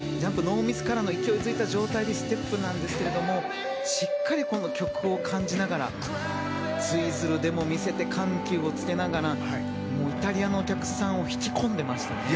そして、ジャンプノーミスからの勢いづいた状態でステップですがしっかり曲を感じながらツイズルでも見せて、緩急をつけながらイタリアのお客さんを引き込んでいましたね。